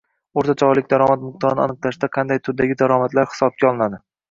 O‘rtacha oylik daromad miqdorini aniqlashda qanday turdagi daromadlar hisobga olinadi?